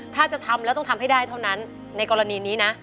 ถ้าจะทำแล้วต้องทำให้ได้เท่านั้นในกรณีนี้นะ